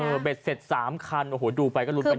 เออเบ็ดเสร็จสามคันโอ้โหดูไปก็ลุ้นแบบเนี้ย